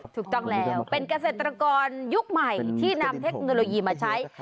ถูกต้องแล้วเป็นเกษตรกรยุคใหม่ที่นำเทคโนโลยีมาใช้